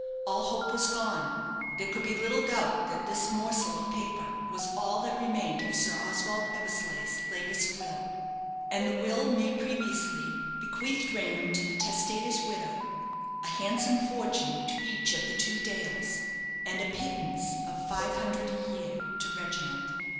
All hope was gone; there could be little doubt that this morsel of paper was all that remained of Sir Oswald Eversleigh's latest will. And the will made previously bequeathed Raynham to the testator's window, a handsome fortune to each of the two Dales, and a pittance of five hundred a year to Reginald.